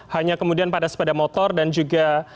hanya kemudian pada sepeda motor dan juga